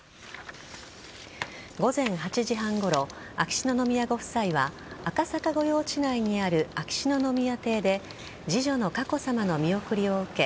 午前８時半ごろ、秋篠宮ご夫妻は赤坂御用地内にある秋篠宮邸で次女の佳子さまの見送りを受け